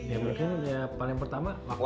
ya mungkin paling pertama